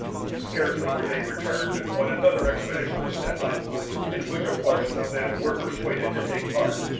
Scarcely were they returned, when another expedition was set on foot, in which a portion of them were persuaded to take part.